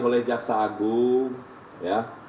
oleh jaksa agung ya